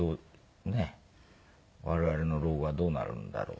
我々の老後はどうなるんだろうと。